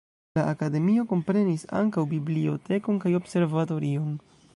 La akademio komprenis ankaŭ bibliotekon kaj observatorion.